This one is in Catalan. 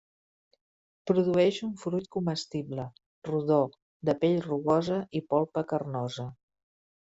Produeix un fruit comestible, rodó, de pell rugosa i polpa carnosa.